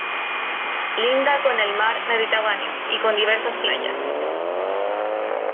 Linda con el Mar Mediterráneo y con diversas playas.